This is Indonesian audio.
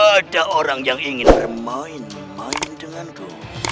ada orang yang ingin bermain main denganku